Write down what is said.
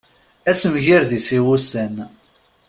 Asemgired-is i wussan.